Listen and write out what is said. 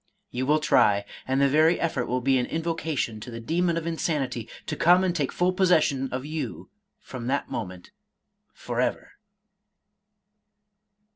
You will try, and the very effort will be an invocation to the demon of insanity to come and take full possession of you from that moment forever."